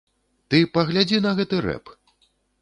Ты паглядзі на гэты рэп!